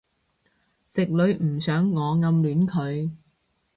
直女唔想我暗戀佢